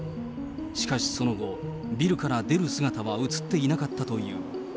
しかし、その後、ビルから出る姿は写っていなかったという。